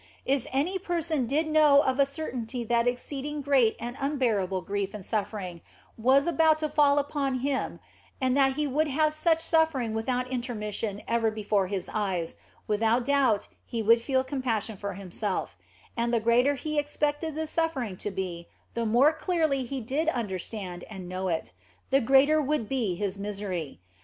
If any person did know of a certainty that ex ceeding great and unbearable grief and suffering was about to fall upon him and that he would have such suffering without intermission ever before his eyes, without doubt he would feel compassion for himself ; and the greater he expected the suffering to be, and the more clearly he did understand and know it, the greater would be his misery.